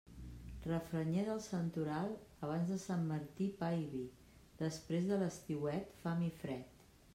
Refranyer del santoral Abans de Sant Martí, pa i vi; després de l'estiuet, fam i fred.